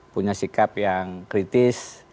punya sikap yang kritis